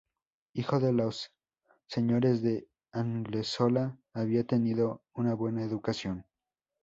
Hijo de los señores de Anglesola había tenido una buena educación.